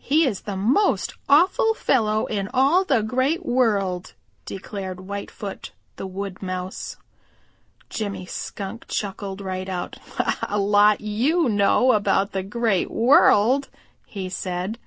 "He is the most awful fellow in all the Great World," declared Whitefoot the Wood Mouse. Jimmy Skunk chuckled right out. "A lot you know about the Great World," he said.